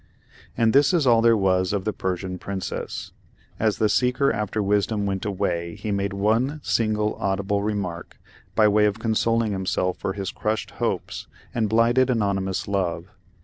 And this is all there was of the Persian Princess. As the seeker after wisdom went away he made one single audible remark by way of consoling himself for his crushed hopes and blighted anonymous love.